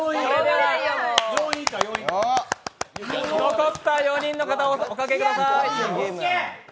残った４人の方、おかけください。